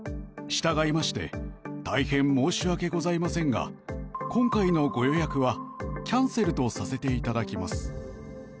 したがいまして大変申し訳ございませんが今回のご予約はキャンセルとさせていただきます。